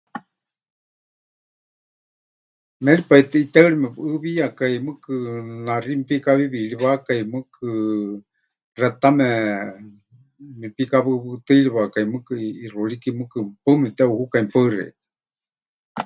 Méripaitɨ ʼiteɨri mepɨʼɨwiyakai, mɨɨkɨ naxí mepikawiwiriwákai, mɨɨkɨ xetame mepikawɨwɨtɨiriwakai mɨɨkɨ ʼixuurikɨ mɨɨkɨ, paɨ mepɨteʼuhukai. Paɨ xeikɨ́a.